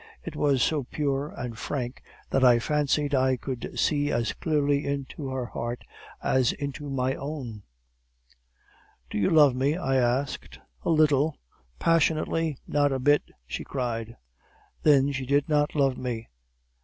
It was so pure and frank that I fancied I could see as clearly into her heart as into my own. "'Do you love me?' I asked. "'A little, passionately not a bit!' she cried. "Then she did not love me.